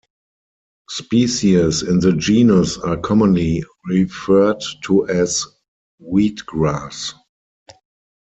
Species in the genus are commonly referred to as wheatgrass.